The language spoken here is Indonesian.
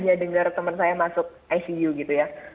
saya hanya dengar teman saya masuk icu gitu ya